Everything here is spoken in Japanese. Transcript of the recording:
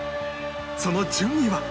その順位は